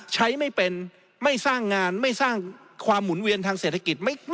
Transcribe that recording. ไม่เป็นไม่สร้างงานไม่สร้างความหมุนเวียนทางเศรษฐกิจ